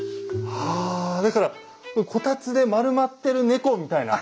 はぁだからこたつで丸まってる猫みたいな。